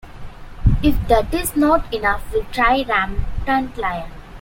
If that is not enough will try Rampant Lion.